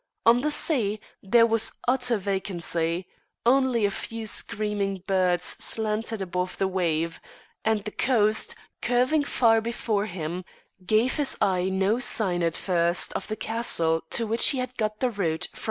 On the sea there was utter vacancy; only a few screaming birds slanted above the wave, and the coast, curving far before him, gave his eye no sign at first of the castle to which he had got the route from M.